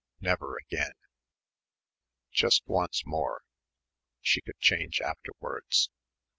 never again ... just once more ... she could change afterwards.